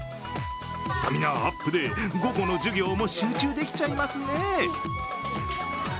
スタミナアップで午後の授業も集中できちゃいますね。